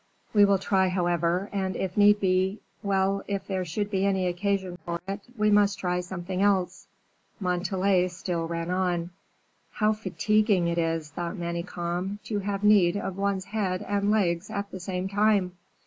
We will try, however, and if need be well, if there should be any occasion for it, we must try something else." Montalais still ran on. "How fatiguing it is," thought Manicamp, "to have need of one's head and legs at the same time."